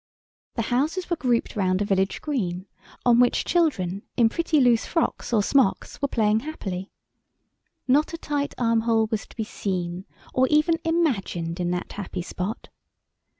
The houses were grouped round a village green, on which children in pretty loose frocks or smocks were playing happily. Not a tight armhole was to be seen, or even imagined in that happy spot.